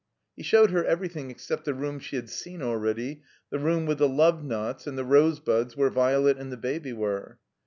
He showed her everjrthing except the room she had seen already, the room with the love knots and the rosebuds where Violet and the Baby were.